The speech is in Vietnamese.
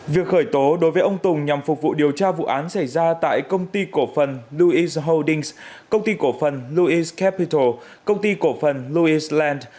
việc khởi tố đối với ông tùng nhằm phục vụ điều tra vụ án xảy ra tại công ty cổ phần lewis holdings công ty cổ phần lewis capital công ty cổ phần lewis land